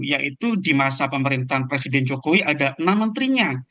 yaitu di masa pemerintahan presiden jokowi ada enam menterinya